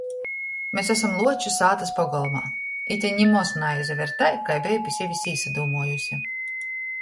Mes asam Luoču sātys pogolmā. Ite nimoz naizaver tai, kai beju pi seve īsadūmuojuse...